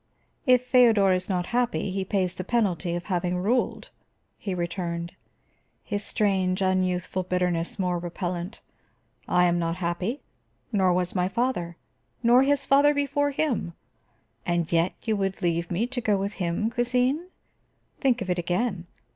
"If Feodor is not happy, he pays the penalty of having ruled," he returned, his strange unyouthful bitterness most repellant. "I am not happy, nor was my father, nor his father before him. And you would leave me to go with him, cousine? Think of it again.